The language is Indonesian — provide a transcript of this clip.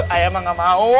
ayah ma nggak mau